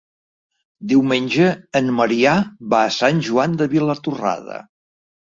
Diumenge en Maria va a Sant Joan de Vilatorrada.